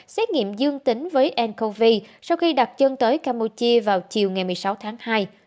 xét nghiệm dương tính với ncov sau khi đặt chân tới campuchia vào chiều ngày một mươi sáu tháng hai